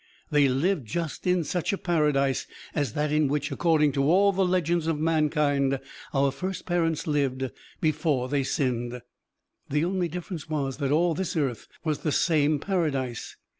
They lived just in such a paradise as that in which, according to all the legends of mankind, our first parents lived before they sinned; the only difference was that all this earth was the same paradise.